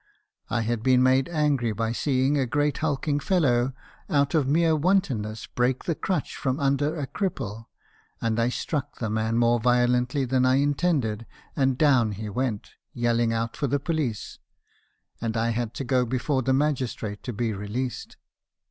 I had been made angry by seeing a great hulking fellow, out of mere wantonness, break the crutch from under a cripple ; and I struck the man more violently than I intended, and down he went, yelling out for the police, and I had to go before the magistrate to be released.